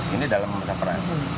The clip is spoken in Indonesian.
ini dalam masa perang